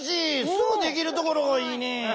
すぐできるところがいいね。